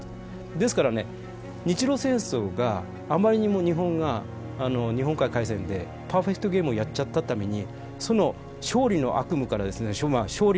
ですからね日露戦争があまりにも日本が日本海海戦でパーフェクトゲームをやっちゃっためにその勝利の悪夢から抜けきれないんですね。